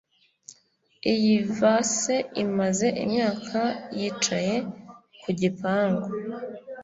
iyi vase imaze imyaka yicaye ku gipangu